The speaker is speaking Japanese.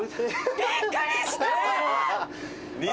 びっくりした！